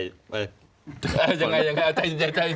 อย่างไร